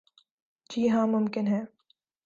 جی ہاں ممکن ہے ۔